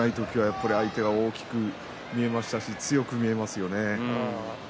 体調が思わしくない時は相手が大きく見えましたし強く見えますよね。